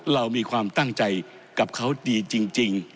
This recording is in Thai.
เรามีความตั้งใจกับเขาดีจริง